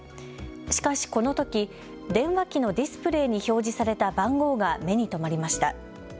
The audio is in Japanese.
しかしこのとき、電話機のディスプレーに表示された番号が目に留まりました。